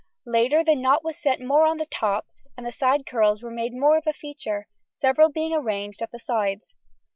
Later the knot was set more on the top, and the side curls were made more of a feature, several being arranged at the sides.